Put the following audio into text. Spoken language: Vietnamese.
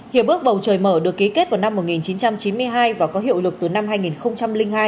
hiệp ước bầu trời mở được ký kết vào năm một nghìn chín trăm chín mươi hai và có hiệu lực từ năm hai nghìn hai